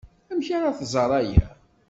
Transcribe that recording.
Amek ara tẓer aya?